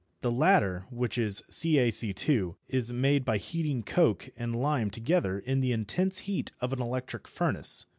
The latter, which is CaC_, is made by heating coke and lime together in the intense heat of an electric furnace.